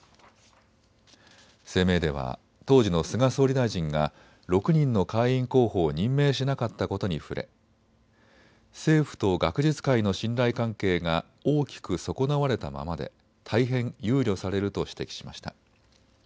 声明では当時の菅総理大臣が６人の会員候補を任命しなかったことに触れ政府と学術界の信頼関係が大きく損なわれたままで大変憂慮されると指摘しました。